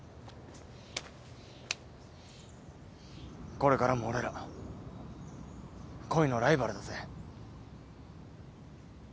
これからも俺ら恋のライバルだぜ。